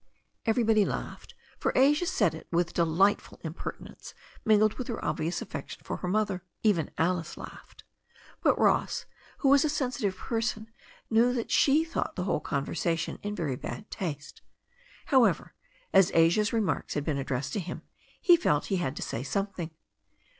Everybody laughed, for Asia said it with delightful im pertinence, mingled with her obvious affection for her mother. Even Alice laughed. But Ross, who was a sensi tive person, knew that she thought the whole conversation in very bad taste. However, as Asia's remarks had been addressed to him, he felt he had to say something.